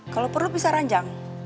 kalau perlu bisa ranjang